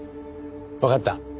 わかった。